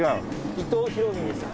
伊藤博文さん。